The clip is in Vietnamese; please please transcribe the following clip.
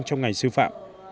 trong ngày sư phạm